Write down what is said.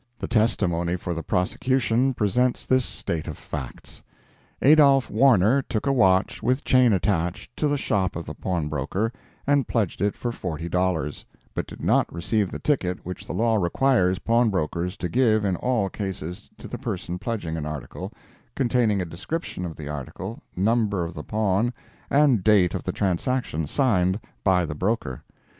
The testimony for the prosecution presents this state of facts: Adolph Warner took a watch, with chain attached, to the shop of the pawnbroker and pledged it for forty dollars, but did not receive the ticket which the law requires pawnbrokers to give in all cases to the person pledging an article, containing a description of the article, number of the pawn, and date of the transaction, signed by the broker.